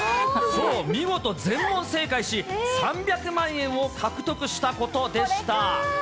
そう、見事全問正解し、３００万円を獲得したことでした。